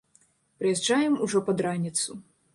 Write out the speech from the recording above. Прыязджаем ужо пад раніцу.